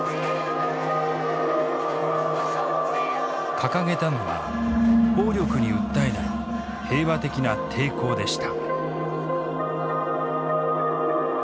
掲げたのは暴力に訴えない平和的な抵抗でした。